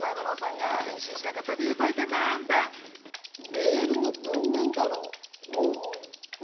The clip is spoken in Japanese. メールの文面だろ？